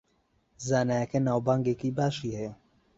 زانایەکە ناوبانگێکی باشی هەیە